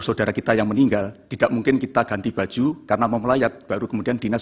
saudara kita yang meninggal tidak mungkin kita ganti baju karena mau melayat baru kemudian dinas